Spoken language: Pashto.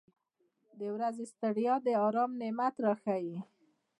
• د ورځې ستړیا د آرام نعمت راښیي.